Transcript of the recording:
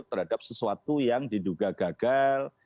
terhadap sesuatu yang diduga gagal